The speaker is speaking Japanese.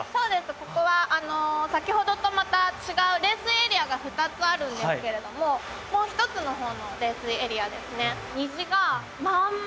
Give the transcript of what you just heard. ここは先ほどとまた違う冷水エリアが２つあるんですけれどももう一つの方の冷水エリアですね。